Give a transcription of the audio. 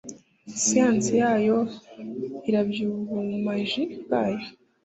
Siyanse yayo irabya ubumaji bwayo